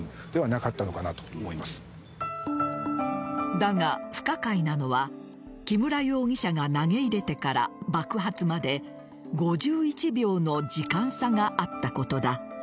だが、不可解なのは木村容疑者が投げ入れてから爆発まで５１秒後の時間差があったことだ。